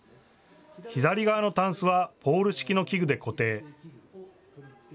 左側のタンスはポール式の器具で固定。